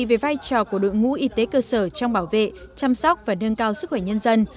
về vai trò của đội ngũ y tế cơ sở trong bảo vệ chăm sóc và nâng cao sức khỏe nhân dân